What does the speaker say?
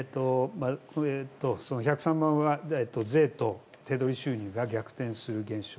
その１０３万円は税と手取り収入が逆転する現象